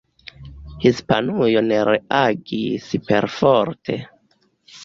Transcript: Hispanujo ne reagis perforte.